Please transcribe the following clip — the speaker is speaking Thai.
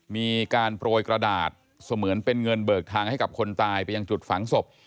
มีการโปรยกระดาษเสมือนเป็นเงินเบิกทางให้กับคนตายไปยังจุดฝังศพ